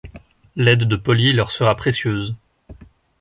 L'aide de Poly leur sera précieuse.